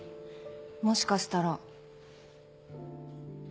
もしかしたら。